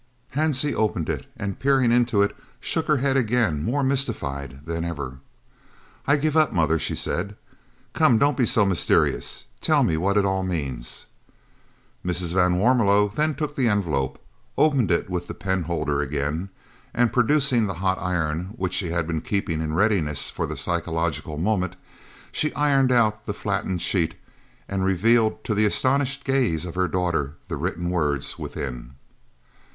Hansie opened it and, peering into it, shook her head again, more mystified than ever. "I give it up, mother," she said. "Come, don't be so mysterious tell me what it all means." Mrs. van Warmelo then took the envelope, opened it with the penholder again, and, producing the hot iron which she had been keeping in readiness for the psychological moment, she ironed out the flattened sheet and revealed to the astonished gaze of her daughter the written words within.